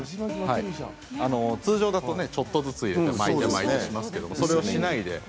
通常はちょっとずつ入れて巻いていきますが、それをしない。